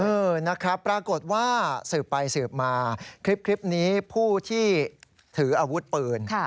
เออนะครับปรากฏว่าสืบไปสืบมาคลิปนี้ผู้ที่ถืออาวุธปืน